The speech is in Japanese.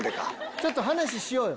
ちょっと話しようよ！